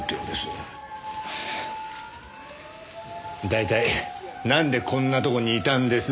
大体なんでこんなとこにいたんです？